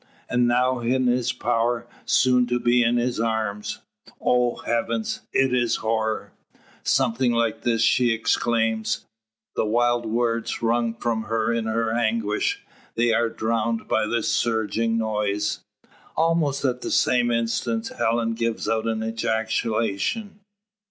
And now in his power, soon to be in his arms! Oh, heavens it is horror. Something like this she exclaims, the wild words wrung from her in her anguish. They are drowned by the surging noise. Almost at the same instant, Helen gives out an ejaculation.